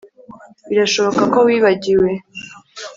Birashoboka ko wibagiwe